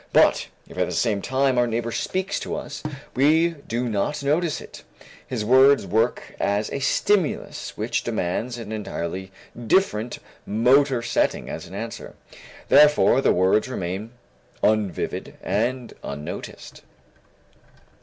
But if at the same time our neighbor speaks to us, we do not notice it; his words work as a stimulus which demands an entirely different motor setting as answer. Therefore the words remain unvivid and unnoticed.